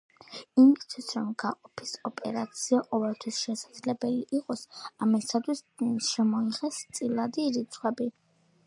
იმისათვის რომ გაყოფის ოპერაცია ყოველთვის შესაძლებელი იყოს, ამისათვის შემოიღეს წილადი რიცხვები.